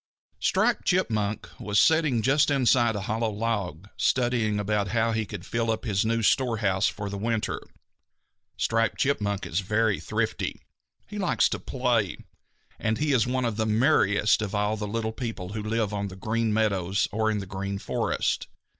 _ Striped Chipmunk was sitting just inside a hollow log, studying about how he could fill up his new storehouse for the winter. Striped Chipmunk is very thrifty. He likes to play, and he is one of the merriest of all the little people who live on the Green Meadows or in the Green Forest.